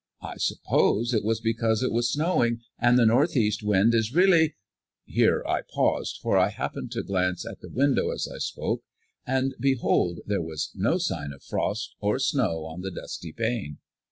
"I suppose it was because it was snowing, and the northeast wind is really" Here I paused, for I happened to glance at the window as I spoke, and behold, there was no sign of frost or snow on the dusty pane.